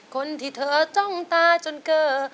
คนที่เธอจ้องตาจนเกอร์